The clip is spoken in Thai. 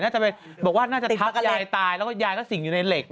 จะไปบอกว่าน่าจะทักยายตายแล้วก็ยายก็สิ่งอยู่ในเหล็ก